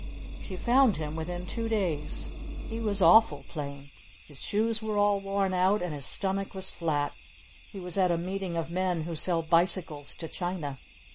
She found him within two days! He was awful plain. His shoes were all worn out. And his stomach was flat. He was at a meeting of men who sell bicycles to China.